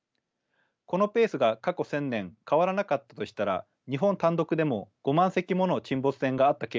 このペースが過去１，０００年変わらなかったとしたら日本単独でも５万隻もの沈没船があった計算になります。